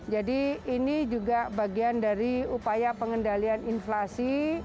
jadi ini juga bagian dari upaya pengendalian inflasi